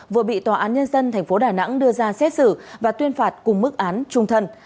vừa bị tòa án nhân dân tp đà nẵng đưa ra xét xử và tuyên phạt cùng mức án trung thân